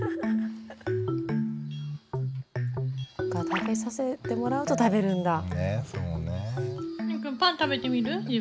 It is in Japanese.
食べさせてもらうと食べるんだ。